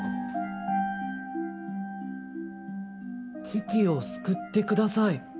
「危機を救ってください」。